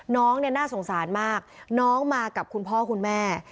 น้องเนี่ยน่าสงสารมากน้องมากับคุณพ่อคุณแม่